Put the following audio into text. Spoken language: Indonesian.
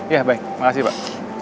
ya baik makasih pak